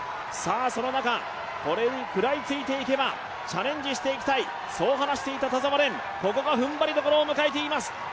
その中、これに食らいついていけばチャレンジしていきたい、そう話していた田澤廉、ここが踏ん張りどころを迎えています。